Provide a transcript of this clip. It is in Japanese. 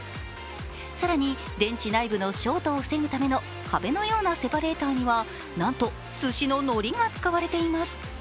更に電池内部のショートを防ぐための壁のようなセパレーターにはなんとすしののりが使われています。